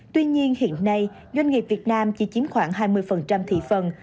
tuy nhiên hiện nay doanh nghiệp việt nam chỉ chiếm khoảng hai mươi thị phần